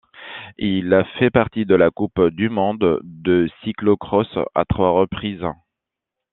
Il a fait partie de la coupe du monde de cyclo-cross à trois reprises.